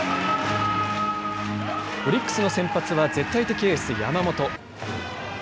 オリックスの先発は絶対的エース・山本。